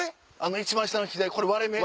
一番下の左割れ目。